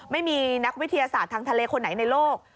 ไม่มีนักวิทยาศาสตร์ทางทะเลคนไหนในโลก